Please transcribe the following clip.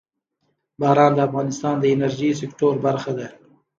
باران د افغانستان د انرژۍ سکتور برخه ده.